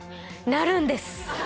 なるんです！